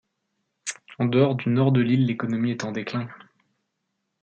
En dehors du nord de l'île, l'économie est en déclin.